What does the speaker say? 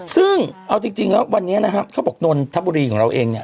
ซึ่งเอาจริงวันนี้้เขาบอกว่าโดนธับบุหรี่ของเราเอง